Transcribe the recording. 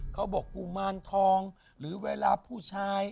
เขาบอกกูมารทองหรือเวลาผู้ชาย